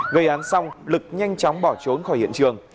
gây án xong lực nhanh chóng bỏ trốn khỏi hiện trường